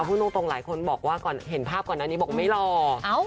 พูดตรงหลายคนบอกว่าก่อนเห็นภาพก่อนอันนี้บอกไม่หล่อ